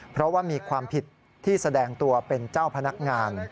เพราะว่ามีความผิดที่แสดงตัวเป็นเจ้าพนักงาน